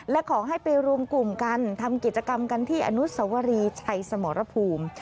และขอให้ไปรวมกลุ่มกันทำกิจกรรมกันที่อนุสวรีชัยสมรภูมิ